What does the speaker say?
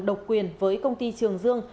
độc quyền với công ty trường dương